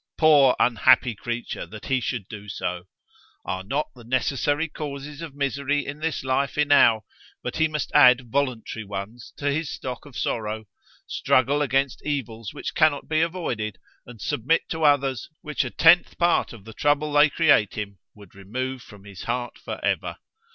—Poor unhappy creature, that he should do so!——Are not the necessary causes of misery in this life enow, but he must add voluntary ones to his stock of sorrow;—struggle against evils which cannot be avoided, and submit to others, which a tenth part of the trouble they create him would remove from his heart for ever?